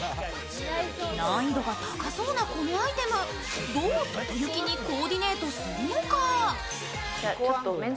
難易度が高そうなこのアイテム、どう外行きにコーディネートするのか？